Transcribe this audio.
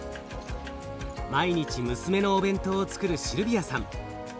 毎日娘のお弁当をつくるシルビアさん。